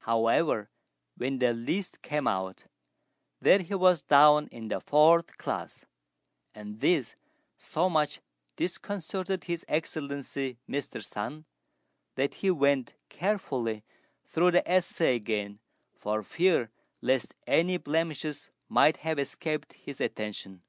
However, when the list came out, there he was down in the fourth class; and this so much disconcerted His Excellency Mr. Sun, that he went carefully through the essay again for fear lest any blemishes might have escaped his attention.